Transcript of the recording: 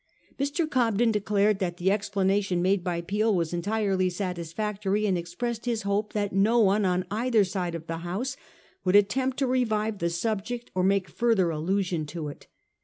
Mr. Cobden declared that the explana tion made by Peel was entirely satisfactory, and expressed his hope that no one on either side of the House would attempt to revive the subject or make further allusion to it.